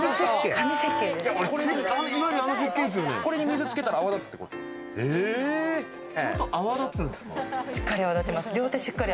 これに水つけたら泡立つっていうこと？